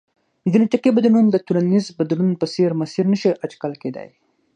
جنیټیکي بدلون د ټولنیز بدلون په څېر مسیر نه شي اټکل کېدای.